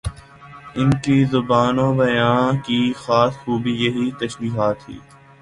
ان کی زبان و بیان کی خاص خوبی یہی تشبیہات ہی